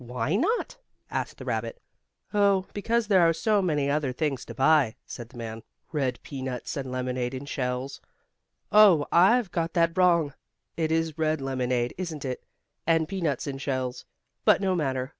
"Why not?" asked the rabbit. "Oh, because there are so many other things to buy," said the man, "red peanuts and lemonade in shells oh, I've got that wrong, it is red lemonade, isn't it? And peanuts in shells. But no matter.